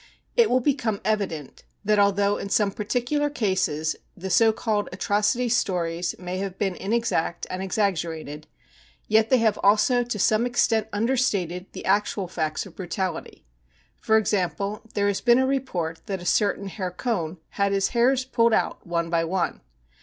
It will become evident that although in some particular cases the so called " atrocity stories 5> may have been in exact and exaggerated, yet they have also to some extent understated the actual facts of brutality. For example, there has been a report that a certain Herr Cohn had his hairs pulled out one by one.